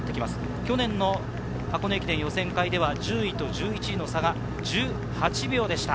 去年の箱根駅伝予選会では１０位と１１位の差が１８秒でした。